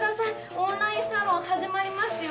オンラインサロン始まりますよ。